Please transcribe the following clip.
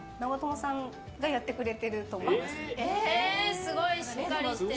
すごいしっかりしてる。